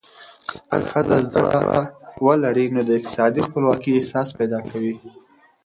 که ښځه زده کړه ولري، نو د اقتصادي خپلواکۍ احساس پیدا کوي.